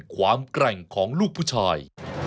แกร่งของลูกผู้ชาย